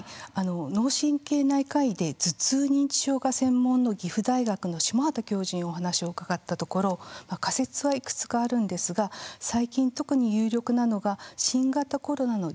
脳神経内科医で頭痛認知症が専門の岐阜大学の下畑教授にお話を伺ったところ仮説はいくつかあるんですが最近特に有力なのが新型コロナの持続感染ということなんです。